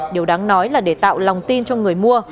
điều đáng nói là để tạo lòng tin cho người mua